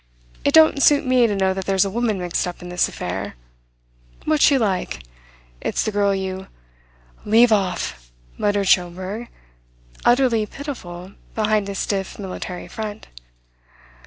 It don't suit me to know that there's a woman mixed up in this affair. What's she like? It's the girl you " "Leave off!" muttered Schomberg, utterly pitiful behind his stiff military front.